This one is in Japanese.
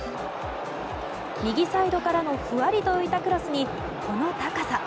右サイドからのふわりと浮いたクロスに、この高さ。